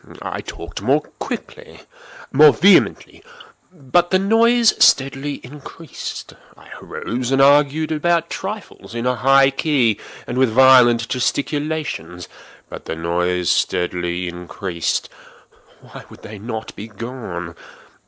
I talked more quickly—more vehemently; but the noise steadily increased. I arose and argued about trifles, in a high key and with violent gesticulations; but the noise steadily increased. Why would they not be gone?